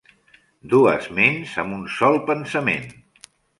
Dues ments amb un sol pensament.